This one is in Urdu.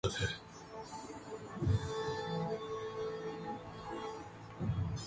سنجے دت میں بیماری کی تشخیص پر ان کی اہلیہ منائتا دت کی وضاحت